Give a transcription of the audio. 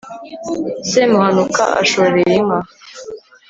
semuhanuka ashoreye inka